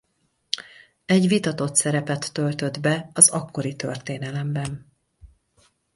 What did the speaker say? Egy vitatott szerepet töltött be az akkori történelemben.